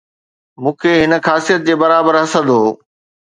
مون کي هن خاصيت جي برابر حسد هو